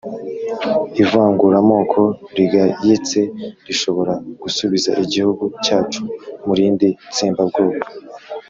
ivanguramoko rigayitse rishobora gusubiza igihugu cyacu mu rindi tsembabwoko.